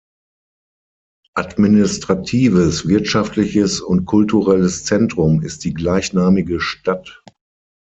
Administratives, wirtschaftliches und kulturelles Zentrum ist die gleichnamige Stadt.